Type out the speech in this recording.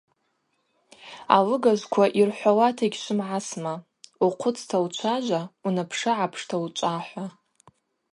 Алыгажвква йырхӏвауата йгьшвмагӏасма: Ухъвыцта учважва, унапшыгӏапшта – учӏва – хӏва.